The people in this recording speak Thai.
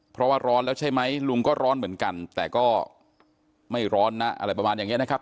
เพราะว่าร้อนแล้วใช่ไหมลุงก็ร้อนเหมือนกันแต่ก็ไม่ร้อนนะอะไรประมาณอย่างนี้นะครับ